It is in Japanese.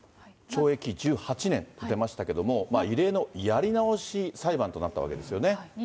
懲役１８年と出ましたけども、異例のやり直し裁判となったわけですよね。